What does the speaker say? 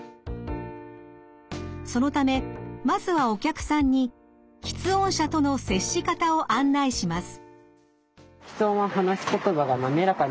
そのためまずはお客さんに吃音者との接し方を案内します。